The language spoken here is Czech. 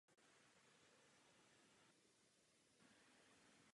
Trenérem je Ricky Martin.